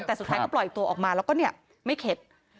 แต่สุดท้ายก็ปล่อยตัวออกมาแล้วก็เนี่ยไม่เข็ด